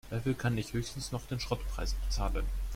Dafür kann ich höchstens noch den Schrottpreis bezahlen.